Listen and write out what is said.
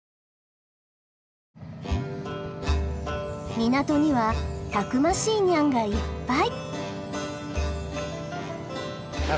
港にはたくましいニャンがいっぱい。